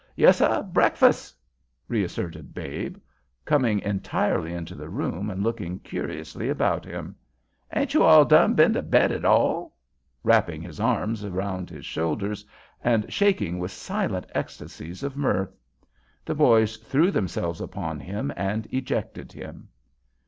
"Yessuh, breakfus'," reasserted Babe, coming entirely into the room and looking curiously about him. "Ain't you all done been to bed at all?" wrapping his arms about his shoulders and shaking with silent ecstasies of mirth. The boys threw themselves upon him and ejected him.